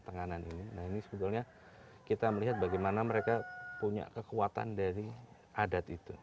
nah ini sebetulnya kita melihat bagaimana mereka punya kekuatan dari adat itu